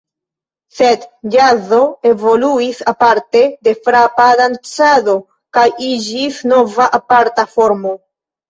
Sed ĵazo evoluis aparte de frapa dancado kaj iĝis nova aparta formo.